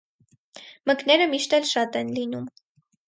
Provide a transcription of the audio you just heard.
Մկները միշտ էլ շատ են լինում։